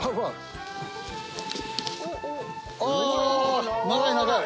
あ長い長い！